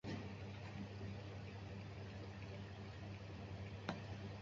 八卦完毕，开勋！